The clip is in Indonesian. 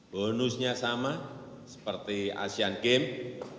bonusnya sama seperti asean games